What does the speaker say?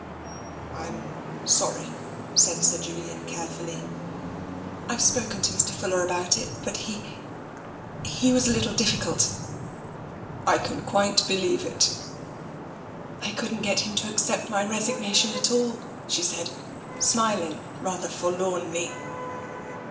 Fm sorry," said Sir Julian carefully. I've spoken to Mr. Fuller about it, but he — he was a little bit difficuh." I can quite believe it." I couldn't get him to accept my resignation at all," she said, smiling rather forlornly.